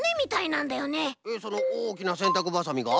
えっそのおおきなせんたくばさみが？